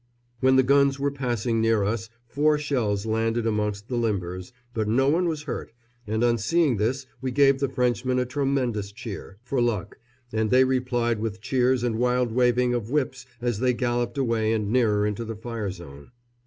When the guns were passing near us four shells landed amongst the limbers, but no one was hurt, and on seeing this we gave the Frenchmen a tremendous cheer, for luck, and they replied with cheers and wild waving of whips as they galloped away and nearer into the fire zone.